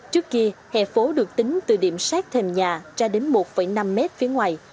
trước kia hẻ phố được tính từ điểm sát thềm nhà ra đến một năm mét phía ngoài